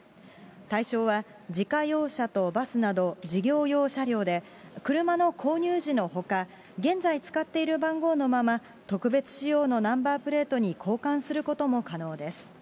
対象は、自家用車とバスなど事業用車両で、車の購入時のほか、現在使っている番号のまま特別仕様のナンバープレートに交換することも可能です。